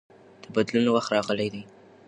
د بدلون وخت راغلی دی.